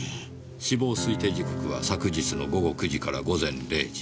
死亡推定時刻は昨日の午後９時から午前０時。